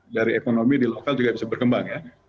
dari ekonomi di lokal juga bisa berkembang ya